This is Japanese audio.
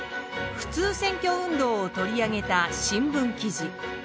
３普通選挙運動を取り上げた新聞記事。